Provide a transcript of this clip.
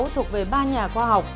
thuộc về ba nhà khoa học